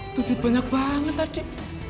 itu duit banyak banget adit